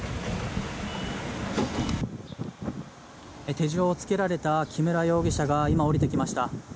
手錠をつけられた木村容疑者が今、降りてきました。